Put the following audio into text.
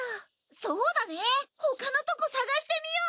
そうだね他のとこ探してみよう。